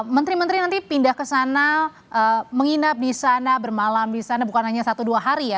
menteri menteri nanti pindah ke sana menginap di sana bermalam di sana bukan hanya satu dua hari ya